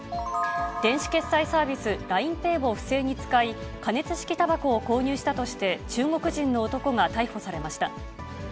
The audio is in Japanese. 電子決済サービス、ＬＩＮＥＰａｙを不正に使い、加熱式たばこを購入したとして、中国人の男が逮捕されました。